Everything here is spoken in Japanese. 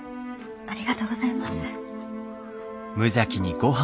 ありがとうございます。